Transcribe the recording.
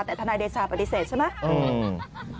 แต่ทนายเดชาปฏิเสธใช่ไหม